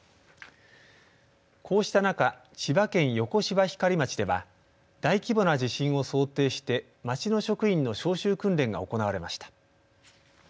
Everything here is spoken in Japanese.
こうした中、千葉県横芝光町では大規模な地震を想定して町の職員の招集訓練が行われました。